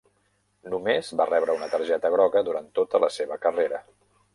Només va rebre una targeta groga durant tota la seva carrera.